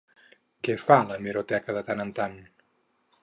Què fa l'hemeroteca de tant en tant?